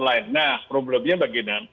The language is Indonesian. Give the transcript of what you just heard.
lain nah problemnya bagaimana